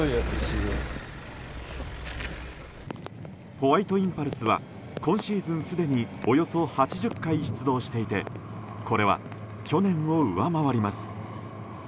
ホワイトインパルスは今シーズンすでにおよそ８０回出動していてこれは去年を上回ります。